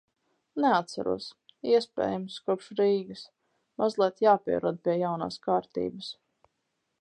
Neatceros - iespējams, kopš Rīgas. Mazliet jāpierod pie jaunās kārtības.